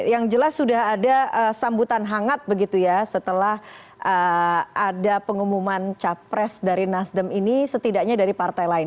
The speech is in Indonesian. yang jelas sudah ada sambutan hangat begitu ya setelah ada pengumuman capres dari nasdem ini setidaknya dari partai lain